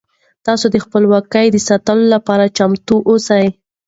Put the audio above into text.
تاسو د خپلواکۍ د ساتلو لپاره چمتو اوسئ.